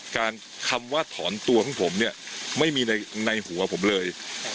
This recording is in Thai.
คำว่าถอนตัวของผมเนี่ยไม่มีในหัวผมเลย